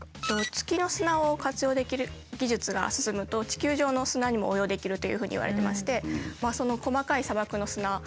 月の砂を活用できる技術が進むと地球上の砂にも応用できるというふうにいわれてまして。